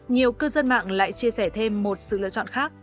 nhiều cư dân mạng lại chia sẻ thêm một sự lựa chọn khác